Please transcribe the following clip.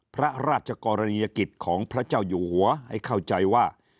พระราชกรณียกิจของพระเจ้าอยู่หัวให้เข้าใจว่า